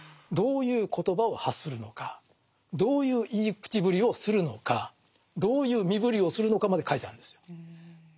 どういう言葉を発するのかどういう言い口ぶりをするのかどういう身振りをするのかまで書いてあるんですよ。